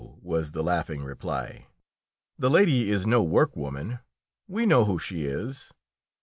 was the laughing reply. "The lady is no work woman; we know who she is!"